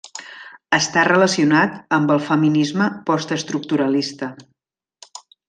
Està relacionat amb el feminisme postestructuralista.